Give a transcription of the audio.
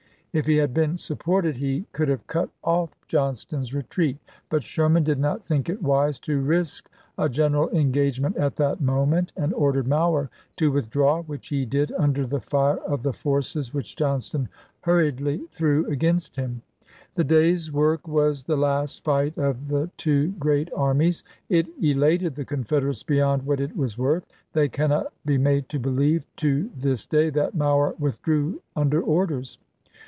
If he had been supported he could have cut off Johnston's retreat. But Sherman did not think it wise to risk a general engage ment at that moment, and ordered Mower to withdraw, which he did under the fire of the forces which Johnston hurriedly threw against him. The day's work was the last fight of the two great armies ; it elated the Confederates beyond what it was worth ; they cannot be made to believe, to this day, that Mower withdrew under orders.